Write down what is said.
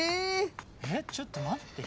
ちょっと待って。